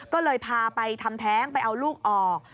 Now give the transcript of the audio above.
ก็เลยพาไปทำแท้งไปเอาลูกออก